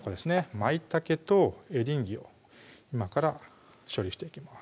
まいたけとエリンギを今から処理していきます